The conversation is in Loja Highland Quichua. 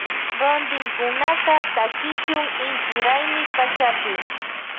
Rontinkunata takishun inti raymi pachapi.